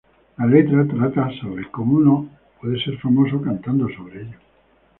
La letra trata sobre cómo uno puede ser famoso cantando sobre ello.